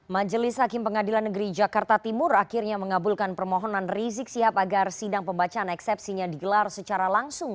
majelis hakim pengadilan negeri jakarta timur akhirnya mengabulkan permohonan rizik sihab agar sidang pembacaan eksepsinya digelar secara langsung